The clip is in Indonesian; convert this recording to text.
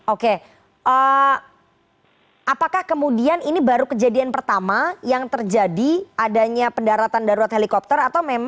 oke apakah kemudian ini baru kejadian pertama yang terjadi adanya pendaratan darurat helikopter